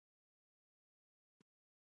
بادرنګ څنګه ساتل کیږي؟